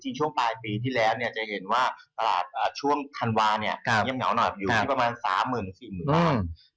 จริงช่วงปลายปีที่แล้วเนี่ยจะเห็นว่าตลาดช่วงธันวาเนี่ยเยี่ยมเหงาหน่อยอยู่ที่ประมาณ๓๔หมื่นล้าน